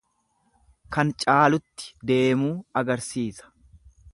Kan caalutti deemuu agarsiisa.